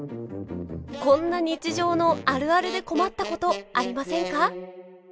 こんな日常のあるあるで困ったことありませんか？